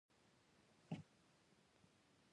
مېوې د افغانستان په هره برخه کې په ډېرې اسانۍ موندل کېږي.